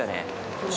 よし。